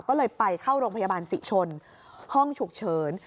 ก็เลยไปเข้าโรงพยาบาลศรีชนห้องฉุกเฉิน